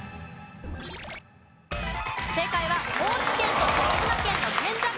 正解は高知県と徳島県の県境がない。